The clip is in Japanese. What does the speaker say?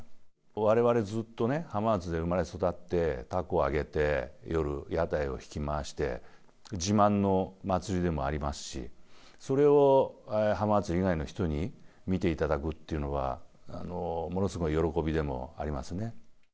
われわれずっとね、浜松で生まれ育って、たこを揚げて、夜、屋台を引き回して、自慢の祭りでもありますし、それを浜松以外の人に見ていただくっていうのは、ものすごい喜びでもありますね。